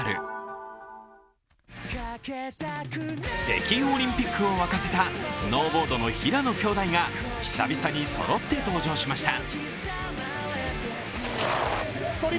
北京オリンピックを沸かせたスノーボードの平野兄弟が久々にそろって登場しました。